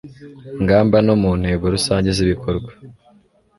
ngamba no mu ntego rusange z ibikorwa